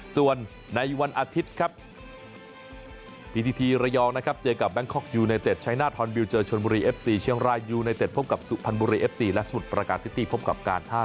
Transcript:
ส่วนในวันอาทิตย์ครับ